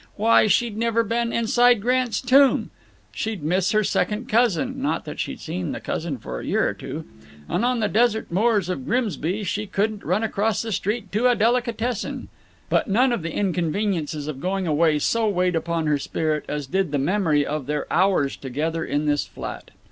Why, she'd never been inside Grant's Tomb! She'd miss her second cousin not that she'd seen the cousin for a year or two. And on the desert moors of Grimsby she couldn't run across the street to a delicatessen. But none of the inconveniences of going away so weighed upon her spirit as did the memory of their hours together in this flat.